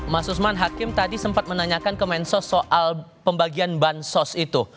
mas usman hakim tadi sempat menanyakan ke mensos soal pembagian bansos itu